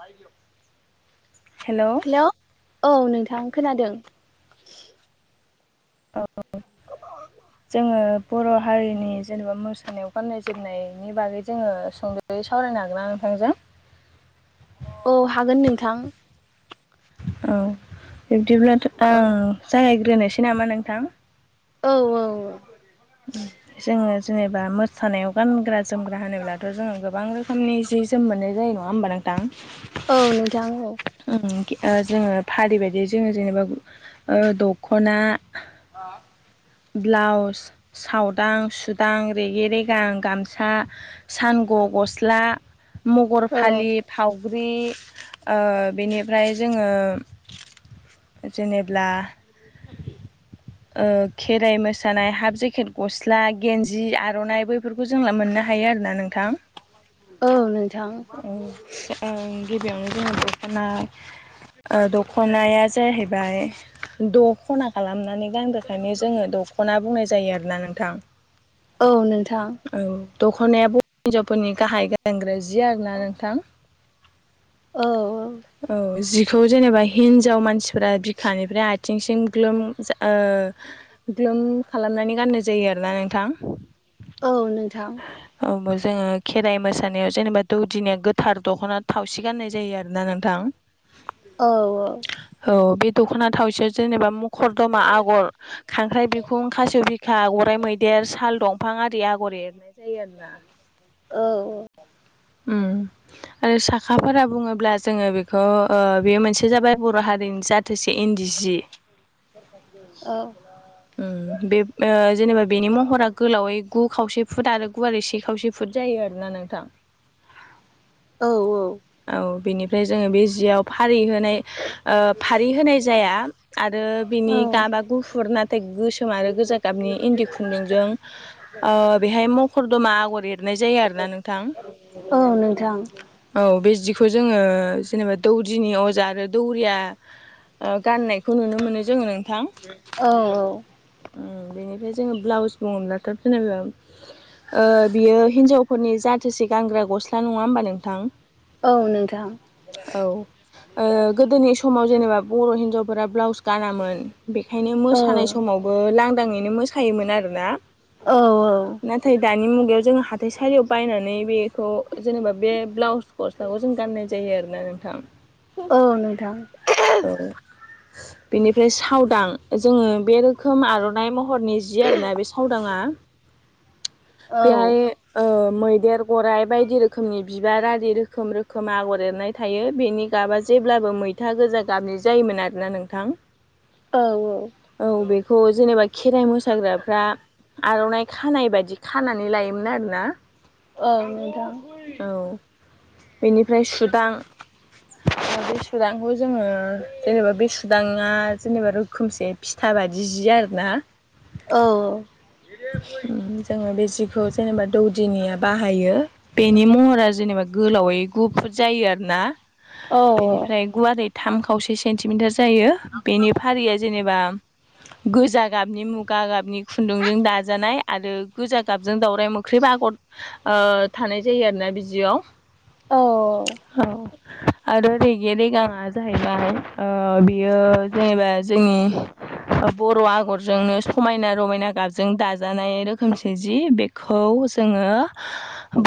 बाय गयाव [unintelligible] हेल' औ नोंथां खोनादों। औ। जोङो बर' हारिनि जेनेबा मोसानायाव गाननाय जोमनायनि बागै जोङो संद' साव फरायनो हागोना नोंथांजों औ हागोन नोंथां। औ बिब्दिब्लाथ' औ आं जागायग्रोनोसै नामा नोंथां। औ औ। जोङो जेनेबा मो सानायाव गानग्रा जोमग्रा होनोब्लाथ' जोङो गोबां रोखोमनि जि जोम मोननाय जायो नङा होमबा नोंथां। औ नोथां औ। ओ जोङो फारि बायदि जोङो जेनेबा ओ दख'ना बा [unintelligible] ब्लाउस सावदां सुदां रेगे रेगां गामसा सानग' गस्ला मगर औ फालि फाव फग्रि ओ बेनिफ्राय जोङो जेनेब्ला [inaudible] ओ खेराइ मोसानाय हाफ जेकेट गस्ला गेन्जि आर'नाइ बैफोरखौ जों मोननो हायो आरोना नोंथां औ नोंथां [unintelligible] गिबियावनो जोंयो दख'ना ओ दख'नाया जाहैबाय दख'ना खालामनानै [unintelligible] दख'ना बुंनाय जायो आरोना नोंथां औ नोंथां औ दख'नाया बर हिनजावफोरनि गाहाय गानग्रा जि आरोना नोंथां औ औ खौ जेनेबा हिनजाव मानसिफोरा बिखानिफ्राय आ थिंसिम ग्लोम ओ ग्लोम खालामनानै गाननाय जायो आरोना नोंथां। औ नोंथां। औ जोङो खेराइ मोसानायाव जेनेबा दौदिनिया गोथार दख'ना थावसि गाननाय जायो आरोना नोंथां। औ औ औ बे दख'ना थावसियाव जेनेबा मुखर दमा आगर खांख्राइ बिखुं खासेव बिखा ग'राइ मैदेर साल दंफां आरि आर एर [inaudible] औ। ओम। आरो साखाफोरा बुङोब्ला जोङो बेखौ ओ बेयो मोनसे जाबाय बर' हारिनि जााथोसे इन्दि जि [unintelligible] ओ [inaudible] ओ बे ओ जेनेबा बेनि महरा गोलावै गु खावसे फुदा आरो गुवारै से खावसे फुट जायो आरोना नोंथां औ औ औ बिनि ओमफ्राय जोङो बे जियाव फारि होनाय ओ फारि होनाय जाया आरो बिनि औ गाब बा गुुफुर नाथाय गोसोम आरो गोजा गाबनि इन्दि खुन्दुंजों ओ बेहाय [unintelligible] [unintelligible] आगर एरनाय जायो आरो ना नोंथां औ नोंथां औ बे जिखौ जोङो जेनेबा दौदिनि अजा आरो दौरिया ओ गाननायखौ नुनो मोनो जोङो नोंथां। औ औ ओ बेनिफ्राय जोङो ब्लाउस बुङोब्ला [unintelligible] ओ बियो हिनजावफोरनि जाथोसे गानग्रा गस्ला नङा होमबा नोंथां औ नोंथां [inaudible] औ ओ गोदोनि समाव जेनेबा बर' हिनजाव फोरा ब्लाउस गानामोन बेखायनो औ मोसानाय समावबो लांदाङैनो मोसायोमोन आरोना औ [inaudible] नाथाय दानि मुगायाव जोङो हााथाइ सलियाव बायनानै बेखौ जेनेबा बे ब्लाउस गस्ला जों गाननाय जायो आरोना नोंथां। औ नोंथां [unintelligible] औ बेनिफ्राय सावदां जोङो बे रोखोम आर'नाइ मह महरनि जि आरोना बे सावदाङा [unintelligible] औ औ नोंथां औ बेहाय ओ मैदेर गराइ बायदि रोखोमनि बिबार आरि रोखोम रोखोम आगर एरनाय थायो बेनि गाबा जेब्लाबो मै मैथा गोजा गाबनि जायोमोन आरोना नोंथां। औ औ औ बेखौ जेनेबा खेराइ मोसाग्राफ्रा आर'नाइ खानाय बायदि खानानै लायोमोन आरोना। औ नोंथां। औ बेनिफ्राय सुदां ओ बे सुदांखौ जोङो जेनेबा बे सुदाङा जेनेबा रोखोमसे फिथा बायदि जि आरो ना औ उम जोङो बे जिखौ जेनेबा दौदिनिया बाहायो बेनि महरा जेनेबा गोलावै गुफुर जायो आरो ना बेनिफ्राय गुवारै थाम खावसे सेन्टिमिटार जायो बेनि फारिया जेनेबा गोजा गाबनि मुगा गाबनि खुन्दुंजों दाज जानाय आरो गोजा गाबजों दावराय मोख्रेब आगर थानाय जायो आरोना बिदियाव औ आरो रगे रेगाङा जाहैबाय बियो जेनेबा जोंनि बर' आगरजोंनो समायना रमायना गाजा जों दाजानाय रोखोमसे जि बेखौ जोङो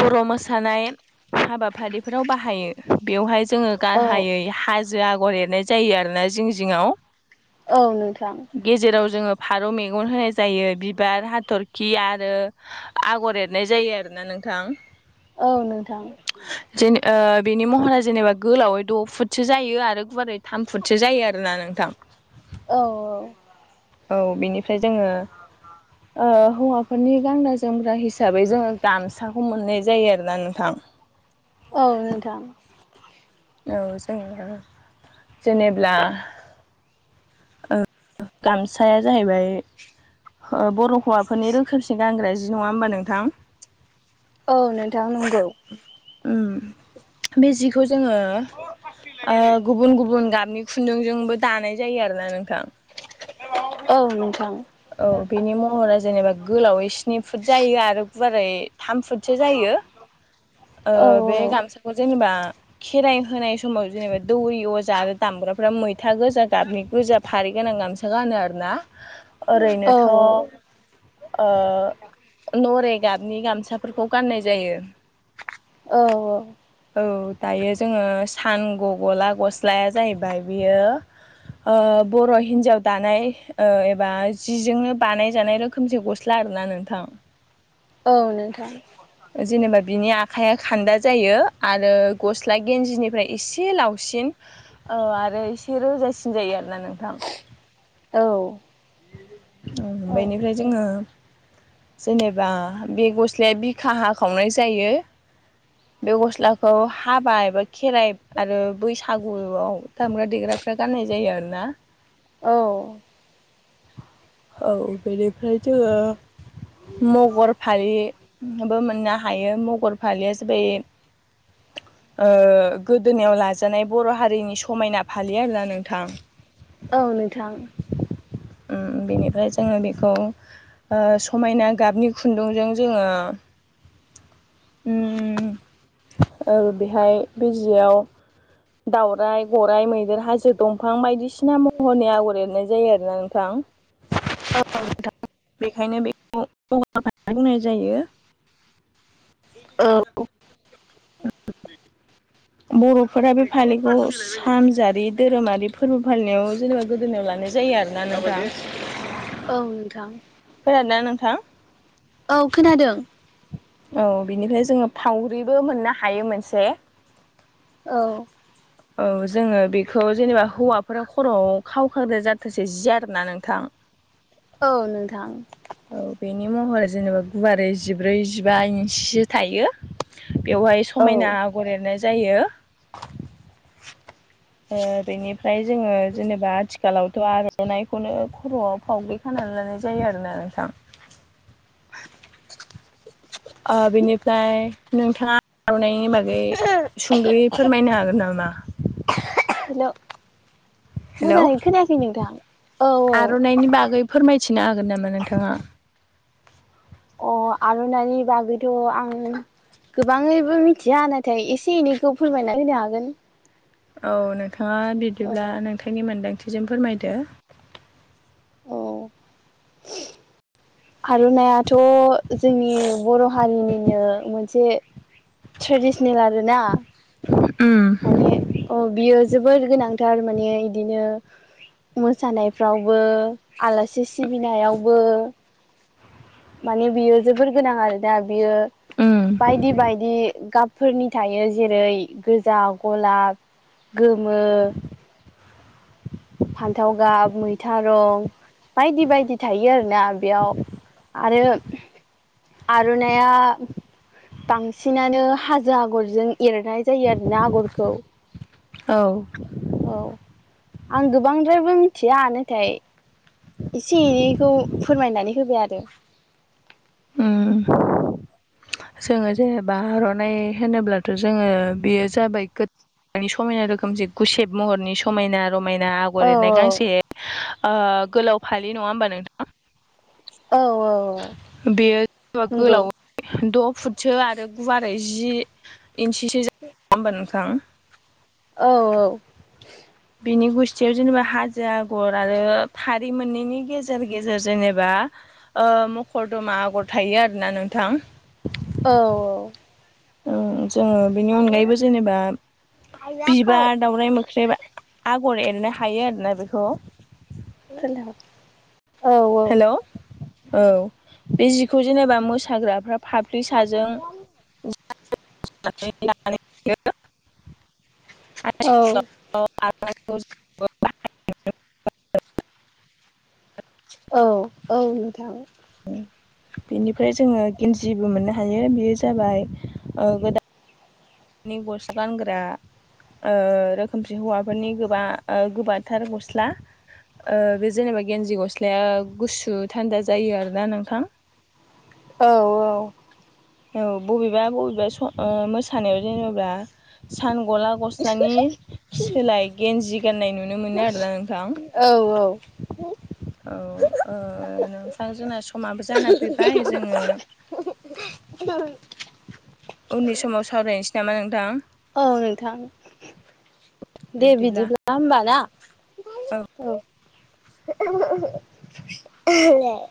बर' मोसानाय हाबाफारिफोराव बाहायो बेवहाय जोङो औ गाहायै हाजो आगर एरनाय जायो आरोना जिं जिङाव औ नोंथां गेजेराव जोङो फारौ मेगन होनाय जायो बि बिबार हाथरखि आरो आगर एरनाय जायो आरोना नोंथां औ नोंथां जेन ओ बेनि महरा जेनेबा गोलावै द' फुटसो जायो आरो गुवारै थाम फुटसो जायो आरोना नोंथां औ औ औ बिनिफ्राय जोङो ओ हौवाफोरनि गानग्रा जोमग्रा हिसाबै जोङो गामसाखौ मोननाय जायो आरोना नोंथां औ नोंथां औ जोङो जेनेब्ला गामसाया जाहैबाय बर' हौवाफोरनि रोखोमसे गानग्रा जि नङा होमबा नोंथां औ नोंथां नंगौ उम बे जिखौ जोङो गुबुन गुबुन गाबनि खुन्दुंजोंबो दानाय जायो आरोना नोंथां औ नोंथां औ बेनि महरा जेनेबा गोलावै स्नि फुट जायो आरो गुवारै थाम फुटसो जायो औ बे गामसाखौ जेनेबा खेराइ होनाय समाव जेनेबा दौरि अजा आरो दामग्राफ्रा मैथा गोजा गाबनि गोजा फारि गोनां गामसा गानो आरोना औ ओरैनोथ ओ नरे नि गामसाफोरखौ गाननाय जायो। औ औ औ दायो जोङो सान ग गला गस्लाया जाहैबाय बियो‌। बर' हिनजाव दानाय एबा जिजोंनो बानाय जानाय रोखोमसे गस्ला आरोना नोंथां औ नोंथां आखाया खान्दा जायो आरो गस्ला गेन्जिनिफ्राय एसे लावसिन आर रो एसे रोजासिन जायो आरोना नोंथां औ औ बेनिफ्राय जोङो जेनेबा बे गस्लाया बिखा हाखावनाय जायो। बे गस्लाखौ हाबा एबा खेराइ आरो बैसागुआव दामग्रा देग्राफ्रा गाननाय जायो आरोना औ औ बेनिफ्राय जोङो मगर फारिबो मोननो हायो मगर खालि एसे बे गोदोनायाव लाजानाय बर' हारिनि समायना फालि आरोना नोंथां औ नोंथां बेनिफ्राय जोङो बेखौ समायना गाबनि खुन्दुंजों जोङो बेहाय बे जियाव दावराइ गराइ मैदेर हाजो दंफां बायदिसिना महरनि आगर एरनाय जायो आरो औ नोंथां नोंथां बेखायनो बेखौ बुंनाय जायो औ औ बर'फोरा बे फालिखौ सानजारि धोरोमारि फोरबो फालिनायाव जेनेबा गोदोनायाव लानो जायो आरो ना न'फ्रा औ नोंथां खोनादोंना नोंथां औ खोनादों औ बिनिफ्राय जोङो फावरिबो मोननो हायो मोनसे औ औ जोङो बेखौ जेनेबा हौवाफोरा खर'आव खावखादो जाथोंसै जि आरोना नोंथां औ नोंथां औ बेनि महरा जेनेबा गुवारै जिब्रै जिबा इन्सिसो थायो बेवहाय औ समायना आगर एरनाय जायो बेनिफ्राय जोङो जेनेबा आथिखालावथ' आर'नाइखौनो खर'आव फावगैखानाय लानाय जायो आरोना नोंथां बेनिफ्राय नोंथाङा आर'नायनि बागै सुंद'यै फोरमायनो हागोन नामा ना हेल' हेल' मोजाङै खोनायाखै नोंथां औ आर'नाइनि बागै फोरमायथिनो हागोन होगोन नामा नोंथाङा औ अ आर'नानि बागैथ' आं गोबाङैबो मिथिया नाथाय एसे एनैखौ फोरमायना होनो हागोन औ नोंथाङा बिदिब्ला औ नोंथांनि मोन्दांथि थिजों फोरमायदो [inaudible] आर'नाइाथ' जोंनि बर' हारिनिनो मोनसे ट्रेडिसेनेल आरो ना उम माने अ बियो जोबोर गोनांथार माने बिदिनो मोसानायफ्रावबो आलासि सिबिनायावबो माने बियो जोबोर गोनां आरोना बियो उम बायदि बायदि गाब फोरनि थायो जेरै गोजा गलाब गोमो फान्थाव गाब मैथा रं बायदि बायदि थायो आरो। बेयाव आरो आर'नाया बांसिनानो हाजो आगरजों एरनाय जायो आरोना आगरखौ औ औ आं गोबांद्रायबो मिथिया नाथाय एसे एनैखौ फोरमायनानै होबाय आरो उम जोङो जेनेबा आर'नाइ होनोब्लाथ' जोङो बेयो जाबाय मानि समायना रोखोमसे गुसेब महरनि समायना रमायना औ आगर एरनाय गांसे ओ गोलाव फालि नङा होमबा नोंथां औ औ बेयो [unintelligible] नंगौ गोलाव द' फुटसो आरो गुवारै जि इन्सिसो [unintelligible] होमबा नोंथां औ औ बिनि गुस्थियाव जेनेबा हाजो आगर आरो थारि मोननैनि गेजेर गेजेर जेनेबा मखर दमा आगर थायो आरोना नोंथां औ औ औ। जोङो बेनि अनगायैबो जेनेबा बिबार दावराइ मोख्रेब आगर एरनो हायो आरोना बेखौ। रायलायहर [unintelligible] हेल' औ बे जिखौ जेनेबा मोसाग्राफ्रा फाप्लि साजों [unintelligible] औ [unintelligible] औ औ नोंथां उम बेनिफ्राय जोङो गेन्जिबो मोननो हायो बेयो जाबाय गोदान बिनि गस्लांग्रा रोखोमसे हौवाफोरनि गोबा गोबाथार गस्ला ओ बे जेनेबा गेन्जी गस्लाया गुसु थान्दा जायो आरोना नोंथां औ औ औ बबेबा बबेबा मोसानायाव जेनेबा सान गला गस्लानि सोलाय गेन्जि गाननाय नुनो मोनो आरोना नोंथां। हो [unintelligible] औ ओ नोंथां जोंना समाबो जाना फैबाय जोङो उननि समाव सावरायनोसै नामा नोंथां? औ नोंथां। दे बिब्दिब्ला बिदिब्ला होमबा ना। औ [unintelligible]